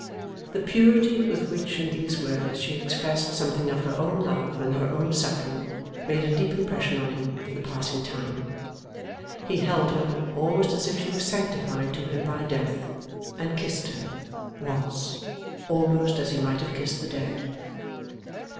The purity with which in these words she expressed something of her own love and her own suffering, made a deep impression on him for the passing time. He held her, almost as if she were sanctified to him by death, and kissed her, once, almost as he might have kissed the dead.